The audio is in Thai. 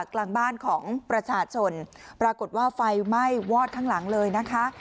กลางบ้านของประชาชนปรากฏว่าไฟไหม้วอดข้างหลังเลยนะคะ